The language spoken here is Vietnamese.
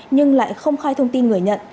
nhưng lại không khai thông tin người nhận